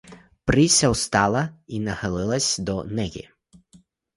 Пріся встала і нахилилась до неї.